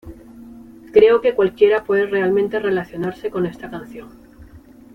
Creo que cualquiera puede realmente relacionarse con esta canción.